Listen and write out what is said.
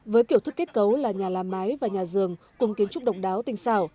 với kiểu thức kết cấu là nhà làm mái và nhà giường cùng kiến trúc độc đáo tinh xảo